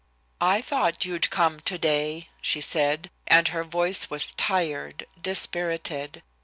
"I thought you'd come today," she said, and her voice was tired, dispirited.